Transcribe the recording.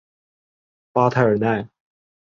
巴泰尔奈。